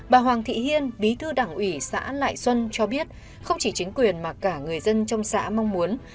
bà hoàng thị hiên bí thư đảng ủy xã lại xuân cho biết không chỉ chính quyền mà cả người dân trong xã mong muốn